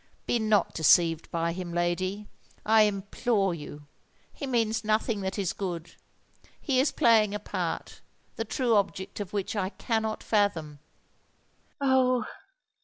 be not deceived by him, lady—I implore you: he means nothing that is good—he is playing a part, the true object of which I cannot fathom!" "Oh!